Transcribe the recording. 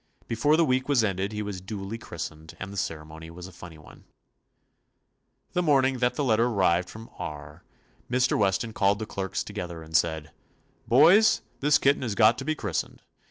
Before the week was ended he was duly christened, and the ceremony was a funny one. The morning that the letter ar rived from R , Mr. Weston called the clerks together and said: "Boys, this kitten has got to be christened.